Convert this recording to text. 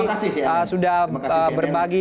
terima kasih sudah berbagi